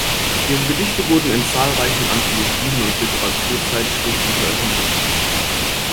Ihre Gedichte wurden in zahlreichen Anthologien und Literaturzeitschriften veröffentlicht.